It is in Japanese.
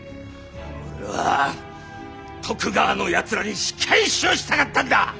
俺は徳川のやつらに仕返しをしたかったんだ！